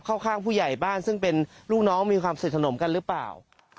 เข้าข้างผู้ใหญ่บ้านซึ่งเป็นลูกน้องมีความสนิทสนมกันหรือเปล่า